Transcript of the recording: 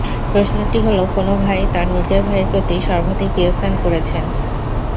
প্রশ্নটি হলো, কোন ভাই তার নিজের ভাইয়ের প্রতি সর্বাধিক ইহসান করেছেন?